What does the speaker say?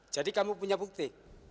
jadi kamu punya bukti